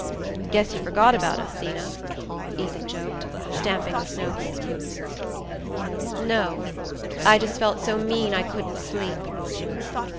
"Guess you forgot about us, Zeena," Ethan joked, stamping the snow from his boots. "No. I just felt so mean I couldn't sleep."